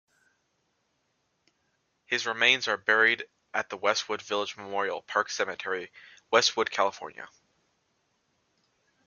His remains are buried at the Westwood Village Memorial Park Cemetery, Westwood, California.